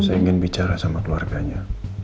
saya ingin bicara sama keluarganya